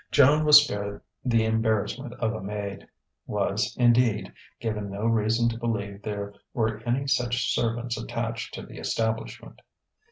Joan was spared the embarrassment of a maid was, indeed, given no reason to believe there were any such servants attached to the establishment.